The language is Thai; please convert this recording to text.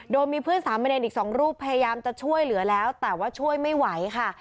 โดยมีเพื่อนสามเณรอีก๒รูปพยายามจะช่วยเหลือแล้วแต่ว่าช่วยไม่ไหวค่ะ